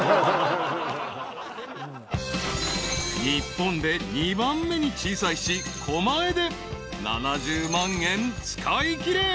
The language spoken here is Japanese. ［日本で２番目に小さい市狛江で７０万円使いきれ］